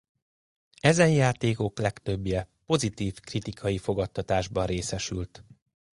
Ezen játékok legtöbbje pozitív kritikai fogadtatásban részesült.